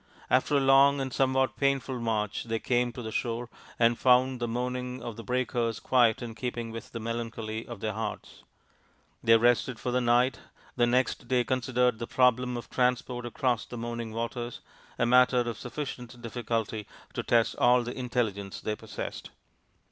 After a long 32 THE INDIAN STORY BOOK and somewhat painful march they came to the^shore and found the moaning of the breakers quite in keeping with the melancholy of their hearts. They rested for the night, and next day considered the problem of transport across the moaning waters a matter of sufficient difficulty to test all the intelligence they possessed.